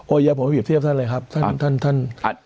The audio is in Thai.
โอ้โหอย่าผมไม่ผิดเทียบท่านเลยครับท่าน